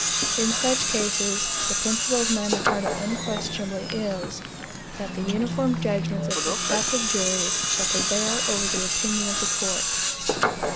In such cases, the principle of Magna Carta unquestionably is, that the uniform judgments of successivejuries shall prevail over the opinion of the court.